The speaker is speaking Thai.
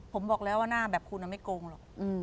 ผมบอกแล้วว่าหน้าแบบคุณไม่โกงหรอก